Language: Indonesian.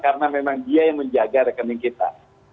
karena memang dia yang menjaga rekening kita